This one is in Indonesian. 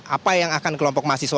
apa yang akan kelompok mahasiswa